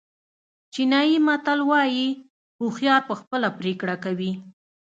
چینایي متل وایي هوښیار په خپله پرېکړه کوي.